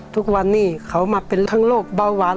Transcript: ทุกวันนี้เขามาเป็นทั้งโรคเบาหวาน